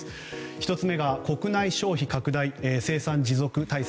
１つ目が国内消費拡大・生産持続対策。